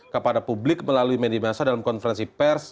kepada publik melalui media massa dalam konferensi pers